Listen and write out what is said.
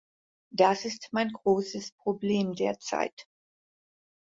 Das ist mein großes Problem derzeit.